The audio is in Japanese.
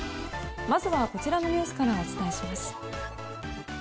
まずは、こちらのニュースからお伝えします。